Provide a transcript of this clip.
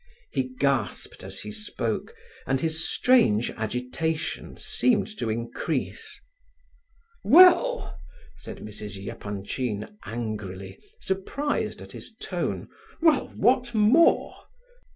He gasped as he spoke, and his strange agitation seemed to increase. "Well?" said Mrs. Epanchin angrily, surprised at his tone; "well, what more?"